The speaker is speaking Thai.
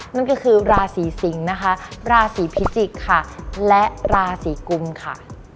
นั่นก็คือราศีสิงค์ราศีพิสิกค์และราศีกุมค่ะ